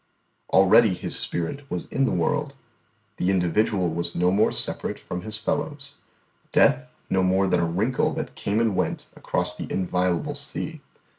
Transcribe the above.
Already His spirit was in the world; the individual was no more separate from his fellows; death no more than a wrinkle that came and went across the inviolable sea.